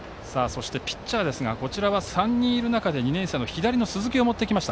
ピッチャーですが３人いる中で２年生の左の鈴木を持ってきました。